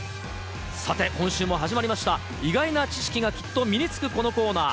さて、今週も始まりました、意外な知識がきっと身に着くこのコーナー。